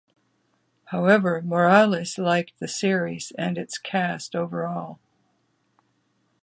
However, Morales liked the series and its cast overall.